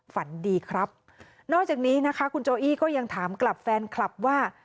ฝันดีครับนอกจากนี้นะคะคุณโจอี้ก็ยังถามกลับแฟนคลับว่า